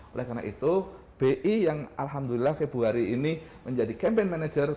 oleh karena itu bi yang alhamdulillah februari ini menjadi campaign manager